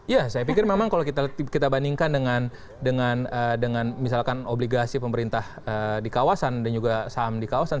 ya saya pikir memang kalau kita bandingkan dengan misalkan obligasi pemerintah di kawasan dan juga saham di kawasan